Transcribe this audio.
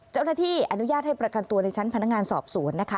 เจ้าหน้าที่อนุญาตให้ประกันตัวในชั้นพนักงานสอบสวนนะคะ